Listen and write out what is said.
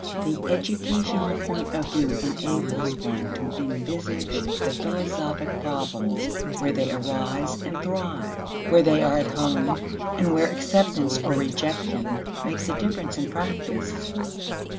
The educational point of view enables one to envisage the philosophic problems where they arise and thrive, where they are at home, and where acceptance or rejection makes a difference in practice.